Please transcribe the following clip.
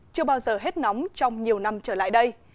chưa bao giờ hết nóng trong nhiều năm trở lại đây